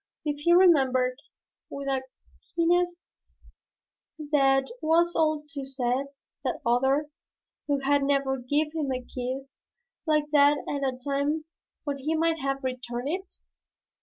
Did he remember, with a keenness that was all too sad, that other, who had never given him a kiss like that at a time when he might have returned it?